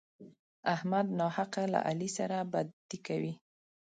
احمد ناحقه له علي سره بدي کوي.